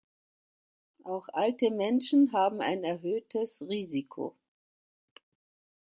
Auch alte Menschen haben ein erhöhtes Risiko.